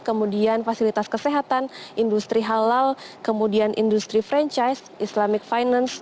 kemudian fasilitas kesehatan industri halal kemudian industri franchise islamic finance